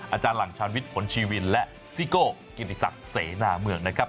อาจารย์หลังชาญวิทย์ผลชีวินและซิโก้กิติศักดิ์เสนาเมืองนะครับ